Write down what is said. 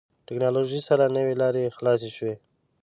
ټکنالوژي سره نوې لارې خلاصې شوې.